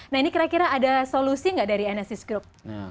nah ini kira kira ada solusi nggak dari enesis group